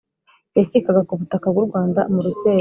yashyikaga kubutaka bw’u rwanda murucyerera